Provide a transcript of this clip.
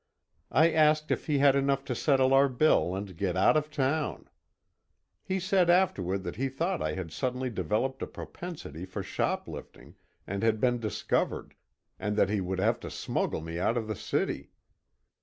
I asked if he had enough to settle our bill and get out of town. He said afterward that he thought I had suddenly developed a propensity for shoplifting, and had been discovered, and that he would have to smuggle me out of the city.